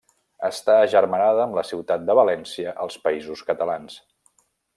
Està agermanada amb la ciutat de València als Països Catalans.